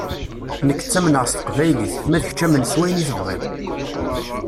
Nekk ttamneɣ s teqbaylit, ma d kečč amen s wayen i tebɣiḍ.